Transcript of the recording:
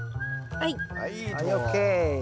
はい。